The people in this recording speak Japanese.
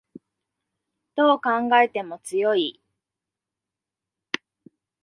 どう考えても強い